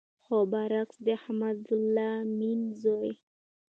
خو بر عکس د احمد الله امین زوی